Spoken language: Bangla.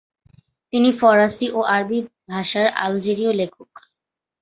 তিনি ফরাসী ও আরবি ভাষার আলজেরীয় লেখক।